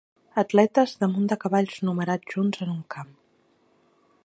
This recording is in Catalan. Atletes damunt de cavalls numerats junts en un camp.